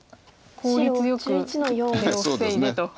効率よく出を防いでと。